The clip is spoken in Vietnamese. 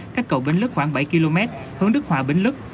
cách cầu bến lức khoảng bảy km hướng đức hòa bến lức